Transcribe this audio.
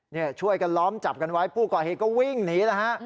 เนี่ยช่วยกันล้อมจับกันไว้ผู้ก่อเหตุก็วิ่งหนีแล้วฮะ